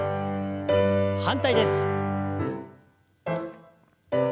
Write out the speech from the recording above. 反対です。